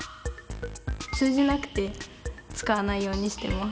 通じなくて使わないようにしています。